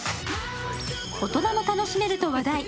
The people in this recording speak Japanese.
大人も楽しめると話題。